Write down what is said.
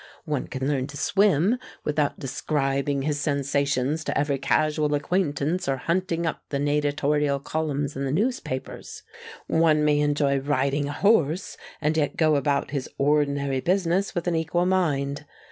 One can learn to swim without describing his sensations to every casual acquaintance or hunting up the natatorial columns in the newspapers. One may enjoy riding a horse and yet go about his ordinary business with an equal mind.